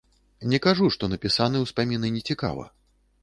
Не кажу, што напісаны ўспаміны нецікава.